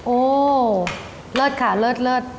โอ้เลิศค่ะเลิศ